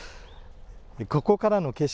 ここからの景色